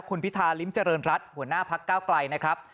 คุณพิธาริมเจริญรัฐหัวหน้าพักเก้าไกลนะครับ